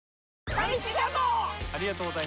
ファミチキジャンボ！